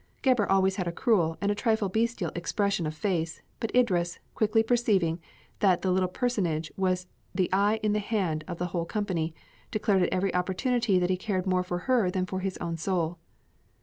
Gebhr always had a cruel and a trifle bestial expression of face, but Idris, quickly perceiving that that little personage was the eye in the head of the whole company, declared at every opportunity that he cared more for her than for his own soul.